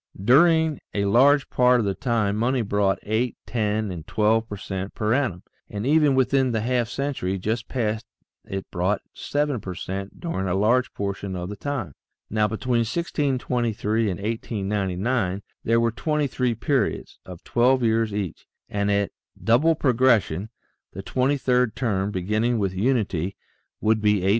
During a large part of the time money brought eight, ten, and twelve per cent per annum, and even within the half century just past it brought seven per cent during a large portion of the time. Now, between 1623 and 1899, there are 23 periods, of 12 years each, and at double progression the twenty third term, beginning with unity, would be 8,388,608.